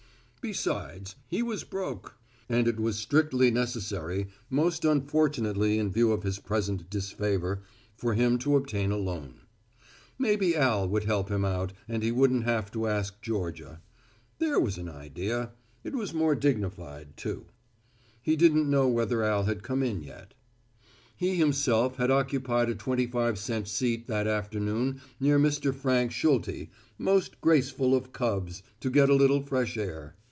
Besides, he was broke, and it was strictly necessary, most unfortunately in view of his present disfavor, for him to obtain a loan. Maybe Al would help him out and he wouldn't have to ask Georgia. There was an idea. It was more dignified, too. He didn't know whether Al had come in yet. He himself had occupied a twenty five cent seat that afternoon near Mr. Frank Schulte, most graceful of Cubs, to get a little fresh air.